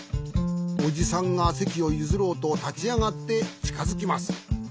おじさんがせきをゆずろうとたちあがってちかづきます。